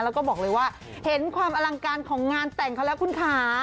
แล้วก็บอกเลยว่าเห็นความอลังการของงานแต่งเขาแล้วคุณค่ะ